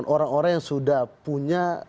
orang orang yang sudah punya